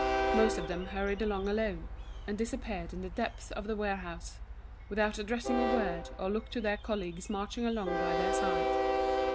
Most of them hurried along alone, and disappeared in the depths of the warehouse, without addressing a word or look to their colleagues marching along by their side.